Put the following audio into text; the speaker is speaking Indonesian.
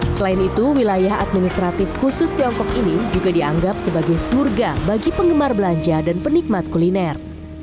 selain itu wilayah administratif khusus tiongkok ini juga dianggap sebagai surga bagi penggemar belanja dan penikmat kuliner